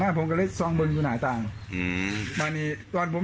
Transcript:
มากันผมก็เลยสองเงิมก็หน่ายตางอือวันนี้ตอนผม